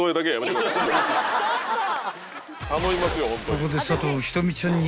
［ここで佐藤仁美ちゃんに］